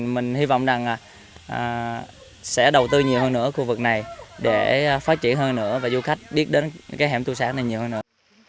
mình hy vọng rằng sẽ đầu tư nhiều hơn nữa khu vực này để phát triển hơn nữa và du khách biết đến cái hẻm tu xả này nhiều hơn nữa